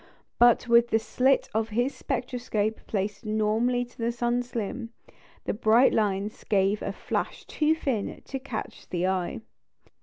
But with the slit of his spectroscope placed normally to the sun's limb, the bright lines gave a flash too thin to catch the eye.